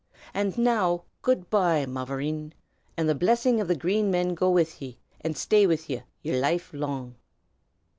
And now good by, mavourneen, and the blessing of the Green Men go with ye and stay with ye, yer life long!"